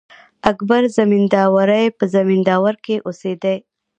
اکبر زمینداوری په زمینداور کښي اوسېدﺉ.